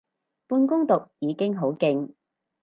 半工讀已經好勁